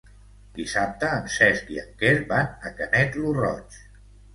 Dissabte en Cesc i en Quer van a Canet lo Roig.